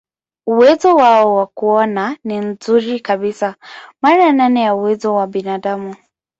Uwezo wao wa kuona ni mzuri kabisa, mara nane ya uwezo wa binadamu.